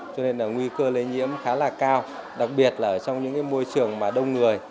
cho nên là nguy cơ lây nhiễm khá là cao đặc biệt là ở trong những môi trường mà đông người